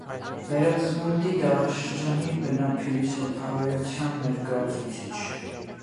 Վերածննդի դարաշրջանի բնափիլիսոփայության ներկայացուցիչ։